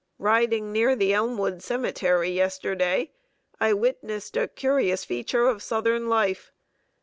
Riding near the Elmwood Cemetery, yesterday, I witnessed a curious feature of Southern life.